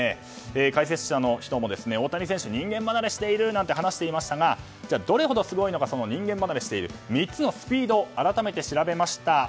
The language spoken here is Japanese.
解説者の人も大谷選手、人間離れしているなんて話していましたがどれほどすごいのか人間離れしている３つのスピード改めて調べました。